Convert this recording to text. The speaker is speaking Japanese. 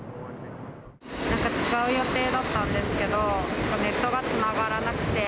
なんか使う予定だったんですけど、ネットがつながらなくて。